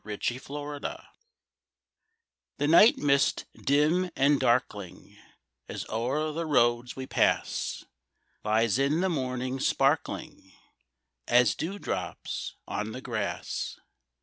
CAREY, OF CARSON The night mist dim and darkling, As o'er the roads we pass, Lies in the morning sparkling As dewdrops on the grass.